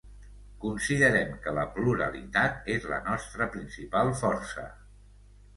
Considerem que la pluralitat és la nostra principal força.